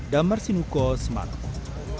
damar sinuko semarang